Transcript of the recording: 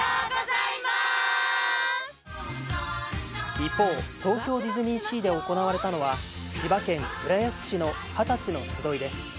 一方、東京ディズニーシーで行われたのは千葉県浦安市の「二十歳の集い」です。